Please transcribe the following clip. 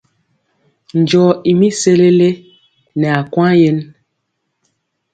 Njɔo i mi sesele nɛ akwaŋ yen.